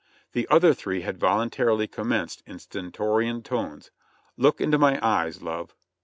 The other three had voluntarilv commenced in stentorian tones, "Look into my eyes, love."